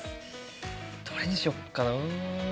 どれにしよっかな。